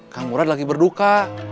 kang murad lagi berduka